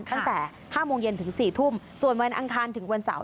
ตั้งแต่๕โมงเย็นถึง๔ทุ่มส่วนวันอังคารถึงวันเสาร์